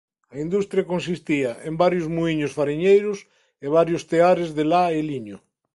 A industria consistía en varios muíños fariñeiros e varios teares de la e liño.